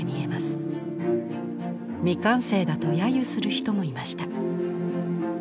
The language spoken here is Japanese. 未完成だとやゆする人もいました。